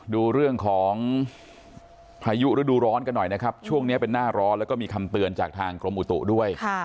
ดูเรื่องของพายุฤดูร้อนกันหน่อยนะครับช่วงนี้เป็นหน้าร้อนแล้วก็มีคำเตือนจากทางกรมอุตุด้วย